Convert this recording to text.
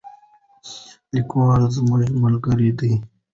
لیکوال زموږ ملګری دی.